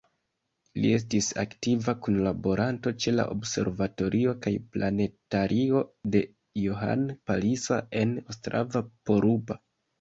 Li estis aktiva kunlaboranto ĉe la Observatorio kaj planetario de Johann Palisa en Ostrava-Poruba.